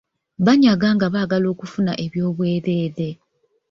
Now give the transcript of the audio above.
Banyaga nga baagala okufuna oby’obwereere.